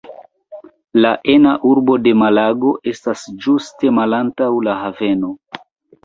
La ena urbo de Malago estas ĝuste malantaŭ la haveno.